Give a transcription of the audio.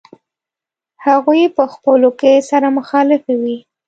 هغوی په خپلو کې سره مخالفې وې.